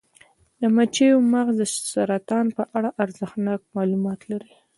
د مچیو مغز د سرطان په اړه ارزښتناک معلومات لري.